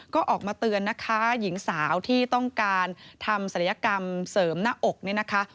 ก็ออกมาเตือนนะคะหญิงสาวที่ต้องการทำศัลยกรรมเสริมหน้าอกเนี่ยนะคะ